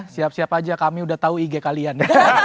siap siap aja kami udah tahu ig kalian